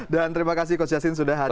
dan terima kasih coach yassin sudah hadir